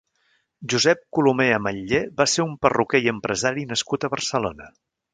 Josep Colomer Ametller va ser un perruquer i empresari nascut a Barcelona.